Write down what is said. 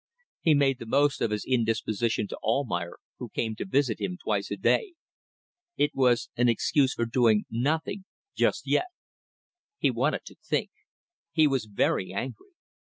He made the most of his indisposition to Almayer, who came to visit him twice a day. It was an excuse for doing nothing just yet. He wanted to think. He was very angry.